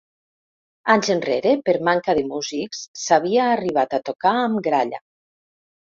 Anys enrere, per manca de músics, s'havia arribat a tocar amb gralla.